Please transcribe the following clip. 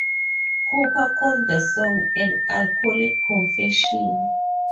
Cooper called the song "an alcoholic confession".